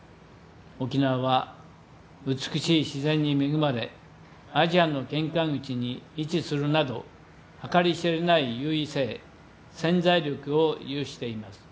沖縄は、美しい自然に恵まれアジアの玄関口に位置するなど計り知れない優位性潜在力を有しています。